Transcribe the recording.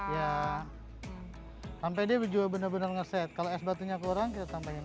dulu dari sini ya sampai dia juga bener bener nge set kalau es batunya kurang kita tambahin